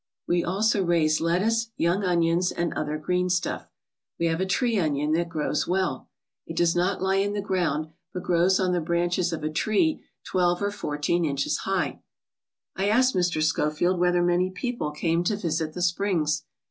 We also raise lettuce, young onions, and other green stuff. We have a tree onion that grows well. It does not lie in the ground but grows on the branches of a tree twelve or fourteen inches high/' I asked Mr. Schofield whether many people came to visit the springs.